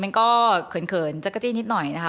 มันก็เขินจักรจี้นิดหน่อยนะคะ